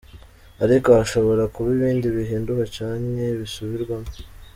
Ariko hashobora kuba ibindi bihinduka canke bisubirwamwo.